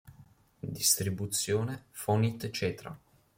Distribuzione: Fonit Cetra.